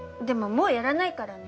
もうやらないからね